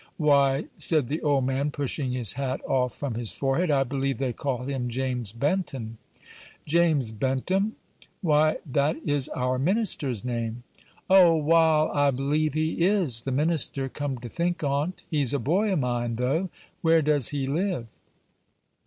"Why," said the old man, pushing his hat off from his forehead, "I believe they call him James Benton." "James Benton! Why, that is our minister's name!" "O, wal, I believe he is the minister, come to think on't. He's a boy o' mine, though. Where does he live?"